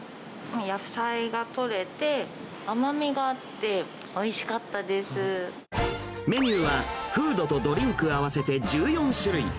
野菜がとれて、甘みがあって、メニューは、フードとドリンク合わせて１４種類。